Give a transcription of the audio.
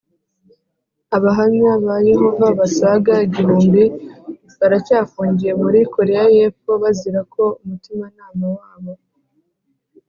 Abahamya ba Yehova basaga igihumbi baracyafungiye muri Koreya y’Epfo bazira ko umutimanama wabo.